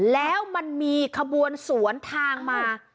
แล้วมันมีขบวนสวนทางมา